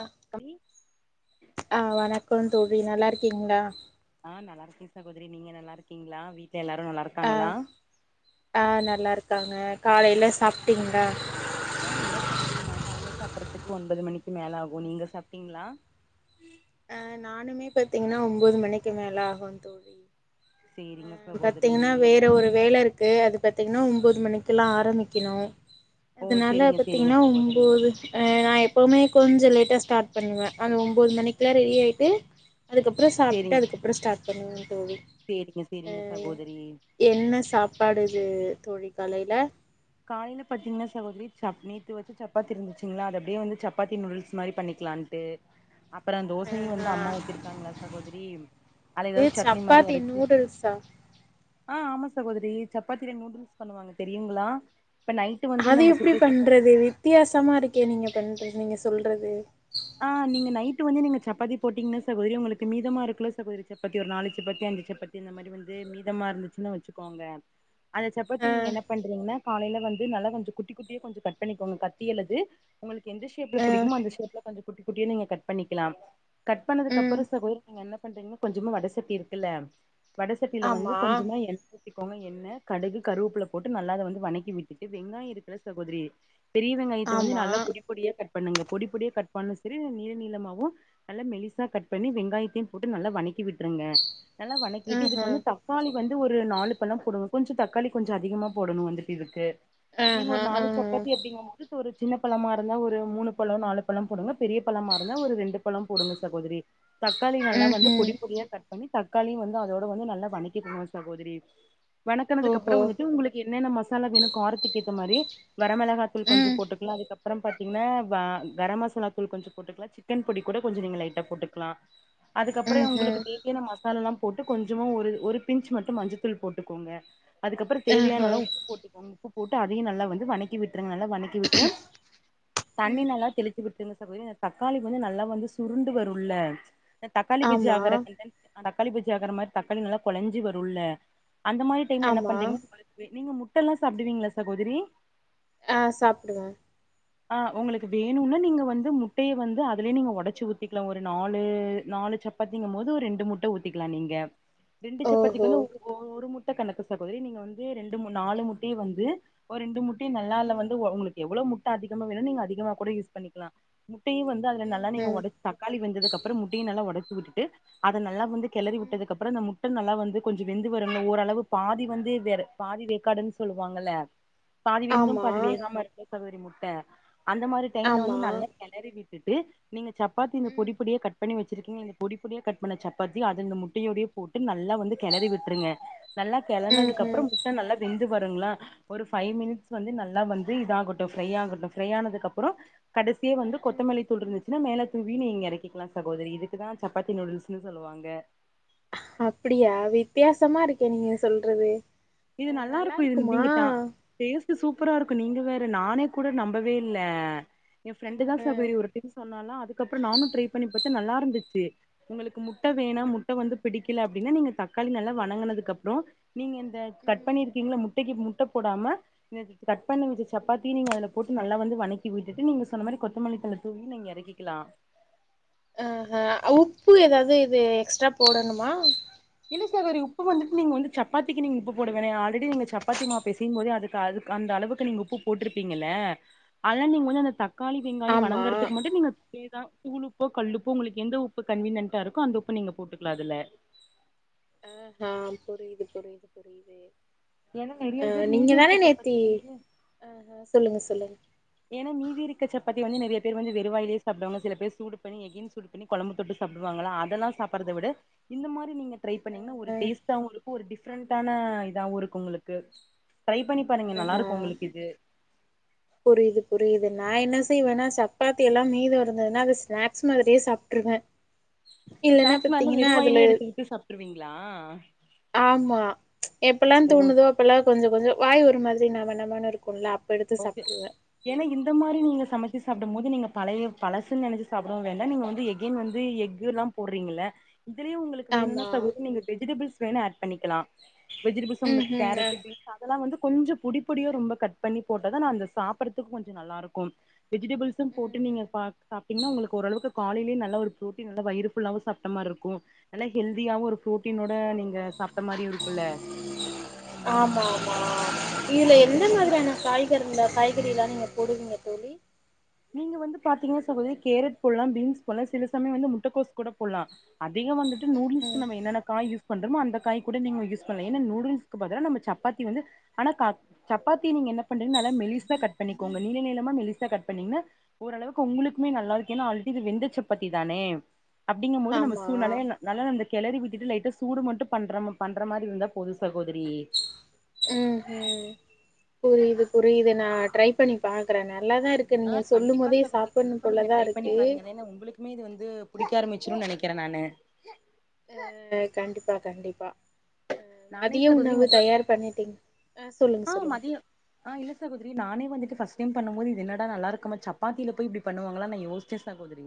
அஹ் கவி ஆஹ் வணக்கோ தோழி நல்லா இருக்கீங்ளா ஆஹ் நல்லா இருக்கே சகோதரி நீங்க நல்லா இருக்கீங்ளா வீ்ட்ல எல்லாரு நல்லாருக் அஹ் அஹ் நல்லாருக்காங்க காலையில சாப்டீங்ளா ஆஹ் இல்ல சகோதரி நா காலையில சாப்பறதுக்கு ஒன்பது மணிக்கு மேல ஆகு நீங்க சாப்டீங்ளா அஹ் நானுமே பாத்தீங்கனா ஒன்பது மணிக்கு மேல ஆகு தோழி சேரிங்க அஹ் சகோதரி பத்தீங்கனா வேற ஒரு வேல இருக்கு அது பத்தீங்கனா ஒம்போது மணிக்குலா ஆரம்பிக்கணு ஓ அதனால சேரிங்க சேரிங்க பாத்தீங்கன்னா சகோதரி ஒம்போது அ நா எப்போவுமே கொஞ்சோ லேட்டா ஸ்டார்ட் பண்ணுவ அந்த ஒம்போது மணிக்கெலா ரெடி ஆகிட்டு அதுக்கப்பறோ சாப்டுட்டு சேரிங்க அதுக்கப்பறோ ஸ்டார்ட் பண்ணுவ தோழி சேரிங்க ஆ சேரிங்க சகோதரி என்ன சாப்பாடுது தோழி காலையில காலையில பாத்தீங்கன்ன சகோதரி சப் நேத்து வச்ச சப்பாத்தி இருந்துச்சுங்களா அது அப்டியே வந்து சப்பாத்தி நூடுல்ஸ் மாரி பண்ணிக்கலானு ட்டு அப்பறோ ஆ தோசையு வந்து ஆ அம்மா ஊத்திருக்காங்களா சகோதரி அதுல எதாவது சட்னி மாரி அரச்சு சா ஆ ஆமா சகோதரி சப்பாத்தில நூடுல்ஸ் பண்ணுவாங்க தெரியுங்களா இப்ப நைட் ட்டு வந்து அது நம்ம எப்படி சுட்ட சப்பாத்தி பண்றது வித்தியாசமா இருக்கே நீங்க பண்றது நீங்க சொல்றது ஆ நீங்க நைட்டு வந்து நீங்க சப்பாத்தி போட்டீங்கன்னா சகோதரி உங்களுக்கு மீதமா இருக்குல்ல சகோதரி சப்பாத்தி ஒரு நாலு சப்பாத்தி அஞ்சு சப்பாத்தி இந்த மாரி வந்து மீதமா இருந்துச்சுன்னு வச்சுக்கோங்க அந்த சப்பாத்தி ஆ நீங்க என்ன பண்றீங்கன்னா காலைல வந்து நல்லா கொஞ்சோ குட்டி குட்டியா கொஞ்சோ கட் பண்ணிக்கோங்க கத்தி அல்லது உங்களுக்கு எந்த ஷேப்ல ஆ புடிகுமோ அந்த ஷேப்ல கொஞ்சோ குட்டி குட்டியா நீங்க கட் பண்ணிக்கலா கட் பண்ணதுக்கு ம் அப்றோ சகோதரி நீங்க என்ன பண்றீங்கன்னா கொஞ்சமா வட சட்டி இருக்குல்ல வடசட்டியில வந்து ஆமா கொஞ்சமா எண் ஊத்திக்கோங்க எண்ணெ கடுகு கருவப்புள்ள போட்டு நல்லா அத வந்து வணக்கி விட்டுட்டு வெங்காயோ இருக்குல சகோதரி பெரிய வெங்காயத்த வந்து ஆமா நல்லா பொடி பொடியா கட் பண்ணுங்க பொடி பொடியா கட் பான்னு செரி நீ நீளமவு நல்லா மெலிசா கட் பண்ணி வெங்காயத்தயு போட்டு நல்லா வதக்கி விட் ருங்க நல்லா வணக்கிட்டு ம்ஹூ இதுக்கு வந்து த தக்காளி வந்து ஒரு நாலு பழோ போடுங்க கொஞ்சோ தக்காளி கொஞ்சோ அதிகமா போடணு வந்து இதுக்கு நீங்க ஆஹா ஒரு ஆஹா நாலு சப்பாத்தி அப்படிங்கும் போது ஒரு சின்ன பழமா இருந்தா ஒரு மூணு பழம் நாலு பழம் போடுங்க பெரிய பழமாருந்தா ஒரு ரெண்டு பழோ போடுங்க சகோதரி தக்காளி நல்லா வந்து ம்ஹூம் பொடிபொடியா கட் ட் பண்ணி தக்காளியு வந்து அதோட வந்து நல்லா வணக்கிகோனு சகோதரி வணக்கனதுக்கு அப்புறோ ஓஹோ வந்துட்டு உங்களுக்கு என்னென்ன மசாலா வேணு காரத்துக்கு ஏத்தா மாதிரி வரமெளகா தூள் கொஞ்சோ ம் போட்டுக்கலா அதுக்கப்புறோ பாத்தீங்கன்னா க கரமாச லாத்தூள் கொஞ்சோ போட்டுக்கலா சிக்கன் பொடி கூட கொஞ்சோ நீங்க லைட்டா போட்டுக்கலா அதுக்கப்புறோ உங்களுக்கு ம்ஹூம் தே யான மசாலெல்லா போட்டு கொஞ்சமா ஒரு ஒரு பிஞச் மட்டும் மஞ்சத்தூள் போட்டுக்கோங்க அதுக்கப்புறோ தேவையான ஆஹா நல்லா உப்பு போட்டுக்கோங்க உப்பு போட்டு அதையு நல்லா வந்து வணக்கி விட்டுருங்க நல்லா வணக்கி க்கிவிட்டு தண்ணி ம் நல்லா தெளிச் த்து ஊத்துங்க சகோதரி இந்த தக்காளி வந்து நல்லா வந்து சுருண்டு வருல்ல தக்காளி புஜி ஆமா ஆகற கண்டன்ட் தக்காளி பச்சி ஆக்குற மாரி தக்காளி நல்லா கொழஞ்சி வருல்ல அந்த மாரி டைம்ல என்ன ஆமா பண்றீங்கன்னா நீங்க முட்டெல்லா சாப்பிடுவீங்களா சகோதிரி ஆ சாப்பிடுவே ஆ உங்களுக்கு வேணுன்னா நீங்க வந்து முட்டையே வந்து அதுலயே நீங்க ஒடைச்சி ஊத்திக்கலா ஒரு நாலு நாலு ச ப்பாத்திங்கம் போது ஒரு ரெண்டு முட்ட ஊத்திக்கலா நீங்க ரெண்டு சப்பத்திக்கு ஓஹோ வந்து ஒரு ஒரு முட்ட கணக்கு சகோதரி நீங்க வந்து ரெண்டு நாலு முட்டையு வந்து ஒரு ரெண்டு முட்டையு நல்லால்ல ம் வந்து உங்களுக்கு எவ்ளோ முட்ட அதிகமா வேணு நீங்க அதிகமா கூட யூஸ் பண்ணிக்கலா முட்டையு வந்து அதுல நல்லா நீங்க ம்ஹூம் ஒடைச்சு தக்காளி வெந்ததுக்கு அப்புறம் முட்டையேயு நல்லா ஒடைச்சு விட்டுட்டு அத நல்லா வந்து கெளறி ம் விட்டதுக்கப்புறோ இந்த முட் ட நல்லா வந்து கொஞ்சோ வெந்து வரணு ஓரளவு பாதி வந்து வேற பாதி வெக்காடுன்னு சொல்லுவாங்கல்ல பாதி வெந்து ஆமா பாதி வேகாம இருக்கு சகோதரி முட்ட அந்த மாரி டைம்ல வந்து ஆமா நல்லா கெளறி விட்டுட்டு நீங்க சப்பாத்தி இந்த ம் பொடி பொடியா கட் பண்ணி வெச்சிருக்கீங்க இந் பொடி பொடியா கட் பண்ண சப்பாத்தி அது இந்த முட்டையோடயே போட்டு நல்லா வந்து கெளறி விட்டுருங்க நல்லா கெளனதுக்கு அப்புறோ ம்ஹூம் நல்லா வெந்து வருங்களா ஒரு பைவ் மினிட்ஸ் வந்து நல்லா வந்து இத ஆகாட்டு ஃப்ரை ஆகட்டு ஃப்ரை ஆனது அப்புறோ கடைசி வந்து ம் கொத்தமல்லி தூள்ர்ந்ச்சு இத மேல தூவின் நீங்க இறக்கிக்கலா சகோதரி இதுக்குதா சப்பாத்தி நூடுல்ஸ்ன்னு சொல்லுவாங்க அப்டியா வித்தியாசமா இருக்கே நீங்க சொல்டறது இது நல்லா இருக்கு இது தீங்கிட்டா டேஸ்ட்டு சூப்பரா இருக்கு நீங்க வேற நானே கூட நம்பவே இல்ல என் ஃரெண்டு தா ஆஹ சகோதரி ஒரு டிப் சொன்னா அதுக்கப்றோ நானு டிரை பண்ணி பத்தே நல்லா இருந்துச்சு உங்களுக்கு முட்ட வேணா ம்ஹும் முட்ட வந்து பிடிக்கல அப்டின்னா நீங்க தக்காளி நல்லா வணங்குனதுக்கு அப்புறோ நீங்க இந்த கட் ம் பண்ணி இருக்கீங்கள முட்டைக்கு முட்ட போடாம கட் பண்வெச்ச சப்பாத்தி நீங்க அதுல போட்டு நல்லா வந்து வனக் கி விட்டுட்டு நீங்க சொன்ன மாரி கொத்தமல்லி தூவி நீங்க இறக்கில்லா ஆ ஹ உப்பு ஏதாது இது எக்ஸ்ட்ரா போடணுமா இல்ல சகோதரி உப்பு வந்துட்டு நீங்க வந்து சப்பாத்திக்கு நீங்க உப்பு போடவெண ஆல்ரெடி நீங்க சப்பாத்தி மாவ் பேசையு போதே அதுக்கு அது அந்த அளவுக்கு நீங்க உப்பு போட்டுருப்பீங்லே அதல்லா நீங்க முன்னனு தாக் தக்காளி வெங்காயோ ஆமா வங்கறதுக்கு மட்டு நீங்க நி தா தூள்ப்போ கல்லுப்போ உங்களுக்கு எந்த உப்பு கன்வீனியன்டா இருக்கோ அந்த உப்ப நீங்க போட்டுக்கலா அதுல ஆ தா புரியுது புரியுது புரியுதே ஏன்னா நெறைய பேர் மிதிக்கர சப்பாத்தி வந்து ஆ ஹ சொல்லுங்க சொல்லுங் ஏன்னா மீதி இருக்க சப்பாத்திய வந்து நெற்யா பேர் வந்து வெறுவாயிலே சாப்டுவாங்க சில பேரு சூடு பண்ணி எகின் சூடு கொழம்பு தொட்டு சாப்டுவாங்களா அதெல்லா சாப்பறத விட இந்த மாரி நீங்க டிரை பண்ணீங்கென்னா ஒரு அ டேஸ்ட்டாவு இருக்கு ஒரு டிஃப்ரெண்டான இதாவு இருக்கு ஒங்ளுக்கு டிரை பண்ணி பாருங்க நல்லா ஆஹா இருக்கு உங்களுக்கு இது புரியுது புரியுது நா என்ன செய்வேன்னா சப்பாத்தி எல்லா மீது இருந்ததுன்னா அது ஸ்நாக்ஸ் மாரியே சாப்ட்டுருவே ஸ்நாக்ஸ் வந்து வெறு அதுல வாயிலே எடுத்துட்டு சாப்ட்டுருவீங்களா ஆமா எப்ப எல்லா தோணுதோ அப்ப எல்லா கொஞ்சோ கொஞ்சோ வாய் ஒரு மாரி நம நமனு இருக்கு இல்ல அப் ப எடுத்து ஓகே சாப்ட்டுருவே ஏன்னா இந்த மாரி நீங்க சமைச்சு சாப்டும் போது நீங்க பழைய பழசு நெனச்சு சாப்பிட வேண்டா நீங்க வந்து எகைன் வந்து யுர்ல்லா போடுறீங்கள இதுலையு உங்களுக்கு வேணும்னா ஆமா சகோதரி நீங்க வெஜிடெபுள்ஸ் வேண ஆட் பண்ணிக்கலா வெஜிடெபுள்ஸ் உங்களுக்கு ம்ஹூங்க கேரட் பீட் அதெல்லா வந்து கொஞ்சோ பொடி பொடிய ரொம்ப கட் பண்ணி போட்டதனா அந்த சாப்பறதுக்கு கொஞ்சோ நல்லா இருக்கு வெஜிடெபுள்ஸ் போட்டு நீங்க ம்ஹூம் பாக் சாப்ட்டிங்கென்னா ஒங்களுக்கு ஓரளவு காலையிலேயே நல்ல ஒரு புரோட்டீன் வந்து வயிறு ஃபுல்லாவு சாப்ட்ட மாரி இருக்கு நல்லா ஹெல்தியாவு ஒரு புரோட்டீனோட நீங்க சாப்ட்ட மாரி இருக்குல்ல ஆமா ஆமா இதுல நீங்க எந்த வேணா மாரியான காய் கிறதுல்ல காய்கறி எல்லாமே நீங்க போடுவீங்க தொழி நீங்க வந்து பாத்தீங்கென்னா சகோதரி கேரட் போட்லா பீன்ஸ் போட்லா சில சமய வந்து முட்டக்கோஸ் கூட போட்லா அதிகோ வந்துட்டு நூடுல்ஸ்க்கு ம்ஹூம் நம்ம என்னன்னா காய் யூஸ் பண்றமோ அந்த காய் கூட நீங்க யூஸ் பண்ணலா ஏன்னா நூடுல்ஸ்க்கு பதில நம்ம சப்பாத்தி வந்து ஆனா சப்பாத்தி நீங்க என்ன பண்றீங்க நல்ல மெலிசா கட் பண்ணிக்கோங்க நீள நீளமா மெலிசா கட் பண்ணிங்கன்னா ஓரளவுக்கு ஒங்களுக்குமே நல்லா இருக்கு ஏன்னா ஆல்ரெடி இது வெந்த சப்பாத்தி தானே அப்டிங்க போது நம்ம ஆமா சூ நெனைங்க நல்லா அந்த கெளறி விட்டுட்டு லைட்டா சூடு மட்டு பண்றம் பண்ற மாரி இருந்தா போது சகோதரி ம் ம் புரியுது புரியுது நா ட்ரை பண்ணி பாக்குறே நல்லாதா இருக் ஆ கண்டிப்பா சகோதரி கண்டிப்பா நீங்க ட்ரை பண்ணி இருக்கு பாருங்க இது ஏனா உங்களுக்கு இனிமே இது வந்து புடிக்க ஆரம்மிச்சிரு நெனைக்கிறே நானு ஆ கண்டிப்பா கண்டிப்பா ஆ நானே மதிய சகோதரி உணவு மொத தயார் பண்ணிட்டீங் சொல்லுங்க ஆ சொல்லுங்க மதிய ஆ இல்ல சகோதரி நானே வந்துட்டு ஃபர்ஸ்ட் டைம் பண்ணும் போது இது என்னடா நல்லா இருக்குமா சாப்பாத்தில போய் இப்டி பண்ணுவாங்கலா நா யோசு ச்சே சகோதரி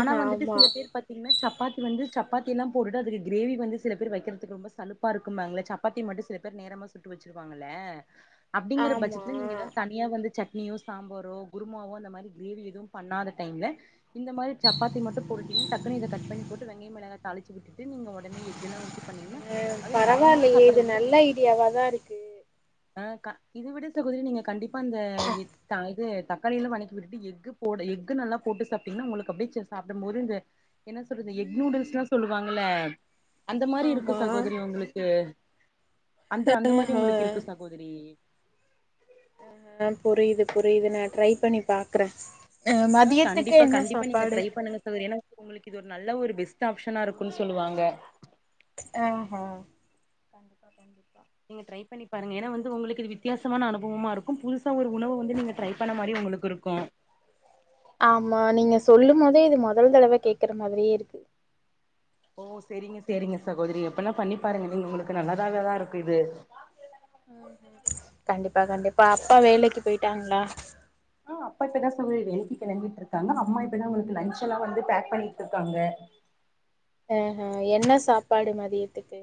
ஆனா வந்துட்டு ஆமா சில பேர் பாத் தீங்னா சப்பாத்தி வந்து சப்பாத்தியெல்லா போட்டுட்டு அதுக்கு கிரேவி வந்து சில பேர் வக்கெற்த்துக்கு ரொம்ப சலுப்பா இருக்கும்பாங்கள சப் ப்பாத்தி மட்டு சில பேர் நேரமா சுட்டு வச்சிருவாங்கல அப்டிங்கிற ஆமா பட்சத்துல நீங்க எதாவ்து தண் ணியா வந்து சட்னியோ சாம்பாரோ குருமாவோ அந்த மாரி கிரேவி எதுவு பண்ணாத டைம்ல இந்த மாரி சப்பாத்தி மட்டு போட்டீங்கனா டக்குன்னு இத கட் பண்ணி போட்டு வெங்காய மிளகா தாளிச்சி விட்டுட்டு நீங்க ஒடனே எக்கெல்லா ஊத்தி பண்ணிங்கனா அதே நார்மலா சாப்பிட்றத விட எ எதாதா இருக்கு ஆ க இத விட சகோதரி நீங்க கண்டிப்பா இந்த இ த இது க்காளியெல்லா வணக்கி விட்டுட்டு எக்கு போட எக்கு நல்லா போட்டு சாப்ட்டீங்னா ஒங்களுக்கு அப்டியே செ சாப்டும் போது இந்த என்ன சொல்றது எக் நூடுல்ஸ்லா சொல்லுவாங்கல அந்த மாரி இருக்கு ஆமா சகோதரி ஒங்களுக்கு அந்த அந்த மாரி ஒங்களுக்கு ஆஹ இருக்கு சகோதரி ஆ புரியுது புரியுது நா ட்ரை பண்ணி பாக்குறே அ ஆ மதியத்துக்கு கண்டிப்பா என்ன கண்டிப்பா நீங்க சாப்பாடு ட்ரை பண்ணுங்க சகோதரி ஏனா உங்களுக்கு இது ஒரு நல்ல ஒரு பெஸ்ட் ஆப்ஷனா இருக்குன் சொல்லுவாங்க ஆ ஹா கண்டிப்பா கண்டிப்பா நீங்க ட்ரை பண்ணி பாருங்க ஏனா வந்து ஒங்களுக்கு இது வித்தியாசமான அனுபவமா இருக்கு புதுசா ஒரு உணவ வந்து நீங்க ட்ரை பண்ண மாரியு ஒங்களுக் கிருக்கு ஆமா நீங்க சொல்லும் போதே இது மொதல் தடவ கேக்குற மாதிரியே இருக்கு ஓ செரிங்க சேரிங்க சகோதரி அப்பனா பண்ணி பாருங்க நீங்க உங்களுக்கு நல்லதாவேதா இருக்கு இது கண்டிப்பா கண்டிப்பா அப்பா வேலைக்கு போயிட்டாங்ளா ஆ அப்பா இப்பதா சகோதரி வேலைக்கு கெளம்பிட்ருக்காங்க அம்மா இப்பதா அவ்ங்களுக்கு லஞ்ச் எல்லா வந்து பேக் பண்ணிட்ருக்காங்க ஆ ஹ என்ன சாப்பாடு மதியத்துக்கு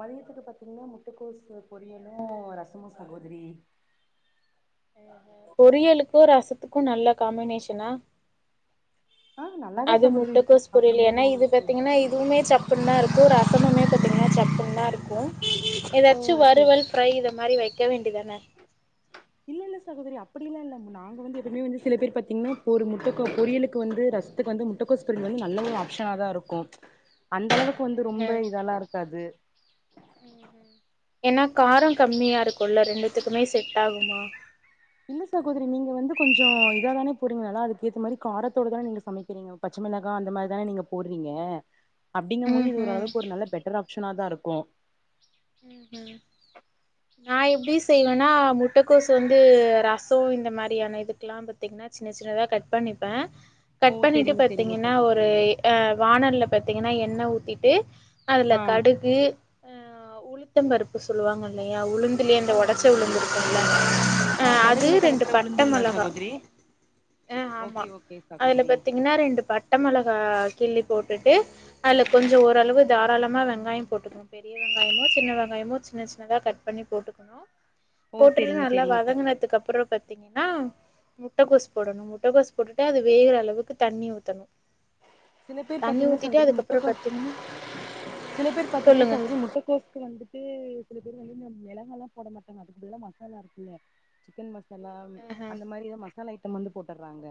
மதியத்துக்கு பாத்தீங்னா முட்டக்கோஸு பொரியலு ரசமு சகோதரி ம் ம் பொரியலுக்கு ரசத்துக்கு நல்ல காமினேஷனா ஆ நல்லாதா அது சகோதரி இருக்கு முட்டக்கோஸ் பொரியல் சாப்பிடும்போது ஏனா இது உங்களுக்கு பாத்தீங்கனா இதுவுமே சப் ப்புன்தா இருக்கு ரசமுமே பாத்தீங்கனா சப்புன்தா இருக்கு ஓ எதாச்சு செரி வறுவல் ஃப்ரை இத மாரி வெக்க வேண்டிதான இல்ல இல்ல சகோதரி அப்டியெல்லா இல்ல மு நாங்க வந்து எப்பவுமே வந்து சில பேர் பாத்தீங்னா இப்போ ஒரு முட்டக்கோஸ் பொரியலு வந்து ரசத்துக்கு வந்து முட்டக்கோஸ் பொரியல் வந்து நல்ல ஒரு ஆப்ஷனா தா இருக் கு அந்த அளவுக்கு வந்து ம் ரொம்ப இதாலா இருக்காது ம் ம் ஏனா கார கம்மியா இருக்குல்ல ரெண்டுத்துக்குமே செட் ஆகுமா இல்ல சாகோதரி நீங்க வந்து கொஞ்ச இதாதானே பொரிங்க நல்லா அதுக்கு ஏத்த மாரி காரத்தோடு தா நீங்க சமைக்கிறீங்க அ பச்ச மிளகா அந்த மாரிதானே நீங்க போடுவீங்க அப்டிங்க போது இது ம்ஹும் ஓரளவுக்கு ஒரு நல்ல பெட்டர் ஆப்ஷனா தா இருக்கு ம் ஹும் நா எப்டி செய்வேன்னா முட்டைக்கோசு வந்து ரசோ இந்த மாரியான இதுக்கெல்லா நா பாத்தீங்கன்னா சின்ன சின்னதா கட் பண்ணிப்பே ஓ கட் பண்ணிட்டு செரிங்க செரிங்க பாத்தீங்கன்னா சகோதரி ஒரு அ வாணல்ல பாத்தீங்கனா எண்ணெ ஊத்திட்டு அதுல ஆ கடுகு அ உளுத்தம் பருப்பு சொல்லுவாங்க இல்லையா உளுந்துலயே அந்த ஆ ஒடச்ச உளுந்து இருக்கும்ல ஆ அஹ் அது கடுகுல ரெண்டு கலக்குற பட்ட உளுந்துங்களா மொளகா சகோதரி அஹ் ஆமா ஓகே ஓகே அதுல சகோதரி பாத்தீங்கன்னா ரெண்டு பட்ட மொளகா கிள்ளி போட்டுட்டு அதுல கொஞ்சோ ஓரளவு தாராளமா வெங்காய போட்டுக்கனு பெரிய வெங் காயமோ சின்ன வெங்காயமோ சின்ன சின்னதா கட் பண்ணி போட்டுக்கணு ஓ போட்டுறு செரிங்க நல்லா செரிங்க சகோதரி வதங்குனதுக்கு அப்பறோ பாத்தீங்கன்னா முட்டைக்கோசு போடணு முட்டைக்கோசு போட்டுட்டு அது வேகிற அளவுக்கு தண்ணி ஊத்தணு சில பேர் தண்ணி பாத்தீங்கன்னா ஊத்திட்டு சகோதரி அதுக்கப்புறோ முட்டகோஸ் பாத்தீங்கன்னா சில பேர் பாத்தீங்கன்னா சொல்லுங்க சகோதரி முட்ட கோஸ்க்கு வந்துட்டு சில பேர் வந்து மெளகாயல்லா போட மாட்டாங்க அதுக்குப்பதிலா மசாலா இருக்குல்ல சிக்கன் மசாலா ம் ஆஹ அந்த மாதிரிதா மசாலா ஐட்டம் வந்து போட்டுடுறாங்க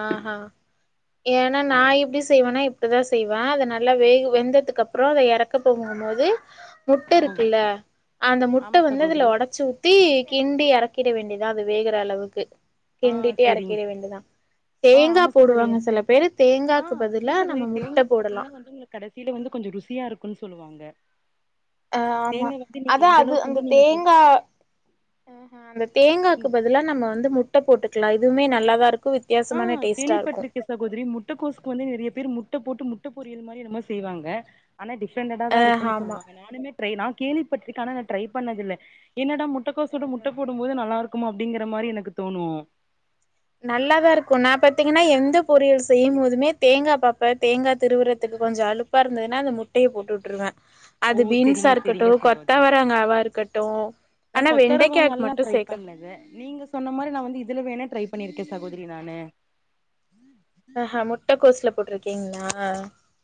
ஆ ஹா ஏனா நா அது எப்டி செய்வேன்னா இப் டி தா செய்வே அத நல்லா வேக வெந்ததுக்கு அப்பறோ அத எறக்க போகுங்க மோது முட்ட ஆ இருக்குல்ல அந்த ஆமா முட்ட வந்து அதுல சகோதரி ஒடச்சு ஊ த்தி கிண்டி எறக்கிட வேண்டிதா அது வேகிற அளவுக்கு ஆ கிண்டிட்டே செரிங் எறக்கிட வேண்டிதா ஆ தேங்கா ஆமா சகோதரி போடுவாங்க சில பேரு ஆ தேங்காக்கு பதிலா நம்ம முட்ட போடலா கடைசில வந்து கொஞ்சோ ருசியா இருக்குனு சொல்லுவாங்க அஹ் ஆமா தேங்கா வந்து நீங்க அதா எந்த அது அளவுக்கு அந்த வந்து நீங்க போட்டு தேங்கா ஆஹா அந்த தேங்காக்கு பதிலா நம்ம வந்து முட்டை போட்டுக்கலா இதுமே நல்லாதாருக்கு வித் ஆ கேள்வி பட்ருக்கே சகோதரி முட்டக்கோசுக்கு வந்து நெறைய பேர் முட்ட போட்டு முட்ட பொரியல் மாரி என்னமோ செய்வாங்க ஆனா டிஃப்ரெண்ட்டடா தா ஆ இருக்கு ஆமா சொல்லுவாங்க நானுமே ட்ரை நா கேள்விப்பட்டுருக்கே ஆனா நா ட்ரை பண்ணதில்ல என்னடா முட் டக்கோசோட முட்ட போடும்போது நல்லா இருக்கும்மா அப்டிங்கிற மாரி எனக்கு தோணு நல்லாதா இருக்கு நா பாத்தீங்கன்னா எந்த பொரியல் செய்யு போதுமே தேங்கா பாப்பே தேங்கா திருவுறத்துக்கு கொஞ்சோ அலுப் பா இருந்ததுனா அந்த முட்டைய போட்டு வுட்டுருவே ஓ அது பீன்ஸா செரிங்க இருக்கட்டு செரிங்க சகோதரி கொத்தவரங்காவா இருக்கட்டு நா ஆனா கொத்த வெண்டைக்காக்கு வரவங்கால்லா மட்டு ட்ரை சேக்க பண்ணலது நீங்க சொ சொன்ன மாரி நா வந்து இதுல ம். வேனா ட்ரை பண்ணியிருக்கே சகோதரி நானு அ ஹா முட்ட கோசுல போட்ருக்கீங்களா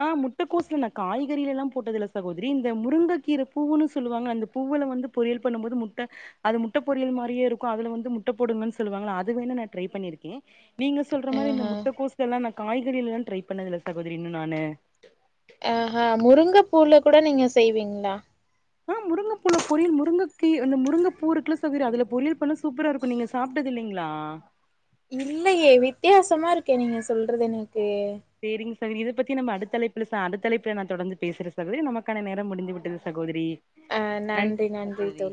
ஆ முட்டக்கோசுல நா காய்கறிலலா போட்டது இல்ல சகோதரி இந்த முருங்கைக்கீரை பூவுன்னு சொல்லுவாங்க அந்த பூவுல வந்து பொரியல் பண்ணுபோது முட்ட அது முட்ட பொறியல் மாரியே இருக்கு அதுல வந்து முட்ட போடுங்கன் சொல்லுவாங்கள அது வேனா நா ட்ரை பண்ணிருக்கே நீங்க சொல்ற மாரி இந்த ஆஹா முட்ட கோஸ்லல்லா நா காய்கறிலல்லா ட்ரை பண்ணதில்ல சகோதரி இன்னு நானு ஆ ஹா முருங்க பூல்ல கூட நீங்க செய்வீங்ளா ஆ முருங்கப்பூல பொரியல் முருங்கக்கி அந்த முருங்க பூ இருக்குல்ல சகோதரி அதுல பொரியல் பண்ணா சூப்பரா இருக்கு நீங்க சாப்டது இல்லீங்களா இல்லயே வித்தியாசமா இருக்கே நீங்க சொல்றது எனக்கு சேரிங் சகோதரி இத பத்தி நம்ம அடுத்தலைப்புல ச அடுத்த தலைப்புல நா தொடர்ந்து பேசுறே சகோதரி நமக்கான நேரம் முடிந் துவிட்டது சகோதிரி நன்றி சகோதரி